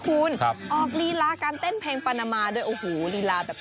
ออกรีลาการเต้นเพลงปานามาโอ้โหรีลาการเต้นเพลงปานามาโอ้โหรีลาการเต้นเพลงปานามา